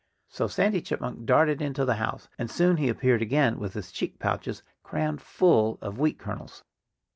So Sandy Chipmunk darted into his house. And soon he appeared again with his cheek pouches crammed full of wheat kernels.